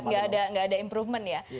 tentu tidak ada improvement ya